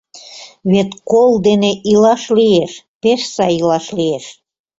Вет кол дене илаш лиеш, пеш сай илаш лиеш.